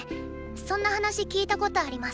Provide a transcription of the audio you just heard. そんな話聞いたことあります。